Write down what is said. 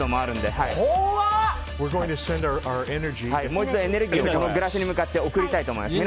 もう一度エネルギーをガラスに送りたいと思います。